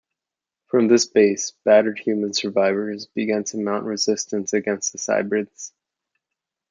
From this base, battered human survivors began to mount a Resistance against the Cybrids.